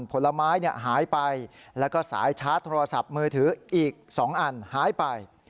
ผลไม้หายไปแล้วก็สายชาร์จโทรศัพท์มือถืออีก๒อันหายไป